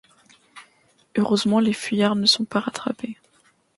Heureusement les fuyards ne sont pas rattrapés.